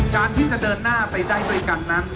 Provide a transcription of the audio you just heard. การที่จะเดินหน้าไปได้ด้วยกันนั้น